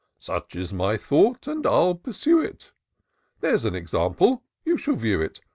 Such is my thought, and I'll pursue it ; There's an example — you shall view it.